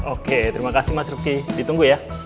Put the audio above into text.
oke terima kasih mas rufki ditunggu ya